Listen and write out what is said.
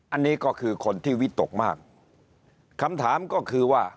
อันนี้ก็คือคนที่วิตกมาก